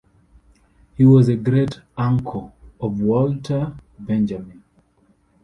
He was a great-uncle of Walter Benjamin.